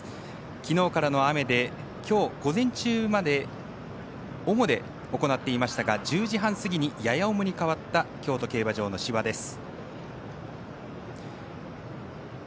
昨日からの雨で今日、午前中まで重で行っていましたが１０時半過ぎにやや重に変わった京都競馬場の芝です。